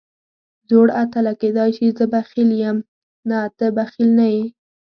زوړ اتله، کېدای شي زه بخیل یم، نه ته بخیل نه یې.